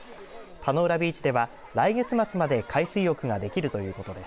田ノ浦ビーチでは来月末まで海水浴ができるということです。